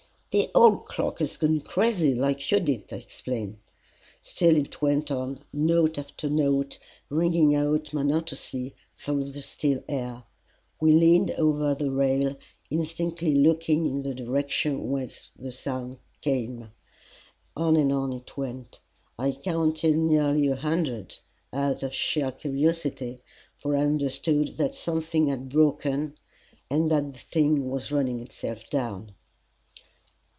"The old clock has gone crazy, like Judith," I exclaimed. Still it went on, note after note ringing out monotonously through the still air. We leaned over the rail, instinctively looking in the direction whence the sound came. On and on it went. I counted nearly a hundred, out of sheer curiosity, for I understood that something had broken and that the thing was running itself down.